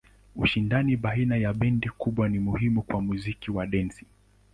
Ushindani baina ya bendi kubwa ni muhimu kwa muziki wa dansi.